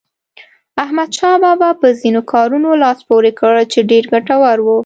احمدشاه بابا په ځینو کارونو لاس پورې کړ چې ډېر ګټور وو.